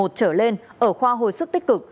trở lên ở khoa hồi sức tích cực